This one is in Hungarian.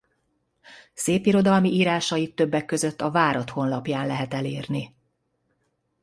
Szépirodalmi írásait többek között a Várad honlapján lehet elérni.